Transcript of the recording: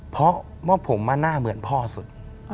เพราะว่าผมหน้าเหมือนพ่อสุด